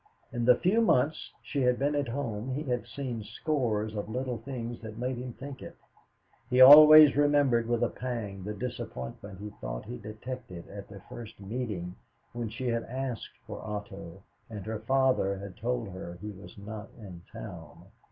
In the few months she had been at home he had seen scores of little things that made him think it. He always remembered with a pang the disappointment he thought he detected at their first meeting when she had asked for Otto, and her father had told her he was not in town.